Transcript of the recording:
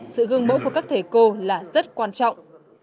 sự gương mẫu của các thầy cô là rất quan trọng